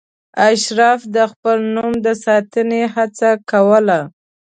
اشراف د خپل نوم د ساتنې هڅه کوله.